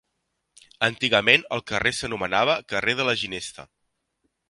Antigament el carrer s'anomenava carrer de la Ginesta.